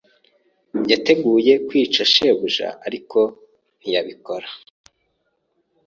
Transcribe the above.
[S] Yateguye kwica shebuja, ariko ntiyabikora.